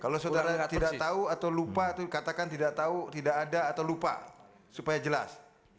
kalau saudara tidak tahu atau lupa katakan tidak tahu tidak ada atau lupa supaya jelas